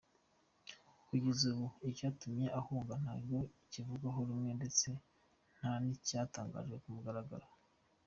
Kugeza ubu icyatumye ahunga ntabwo kivugwaho rumwe ndetse nta n’icyatangajwe ku mugaragaro.